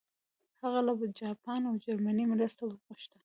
هغه له جاپان او جرمني مرسته وغوښته.